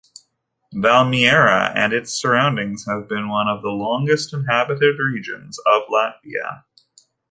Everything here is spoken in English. Valmiera and its surroundings have been one of the longest-inhabited regions of Latvia.